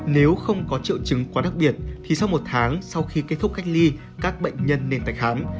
nếu không có triệu chứng quá đặc biệt thì sau một tháng sau khi kết thúc cách ly các bệnh nhân nên tại khám